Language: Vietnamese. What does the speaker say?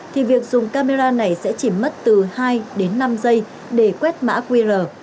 thì việc sử dụng camera này sẽ chỉ mất từ hai đến năm giây để quét mã qr